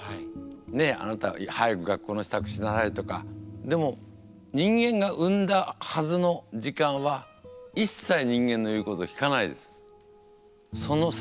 「あなた早く学校の支度しなさい」とかでも人間が生んだはずの時間は一切人間の言うことを聞かないです。